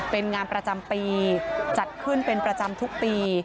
เป็นงานประจำปีจัดขึ้นเป็นประจำทุกปี